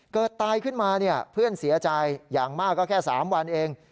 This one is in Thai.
ตายขึ้นมาเพื่อนเสียใจอย่างมากก็แค่๓วันเอง